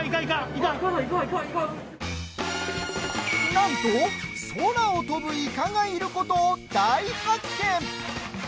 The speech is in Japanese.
なんと空を飛ぶイカがいることを大発見。